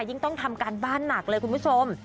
ยิ่งต้องทำการบ้านหนักเลยคุณผู้ชม